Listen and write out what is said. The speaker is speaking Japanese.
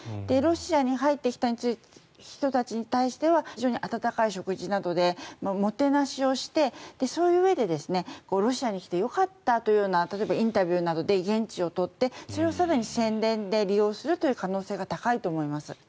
ロシアに入ってきた人たちに対しては非常に温かい食事などでもてなしをしてそういううえでロシアに来てよかったというような例えば、インタビューなどで言質を取ってそれを更に宣伝で利用するという可能性が高いと思います。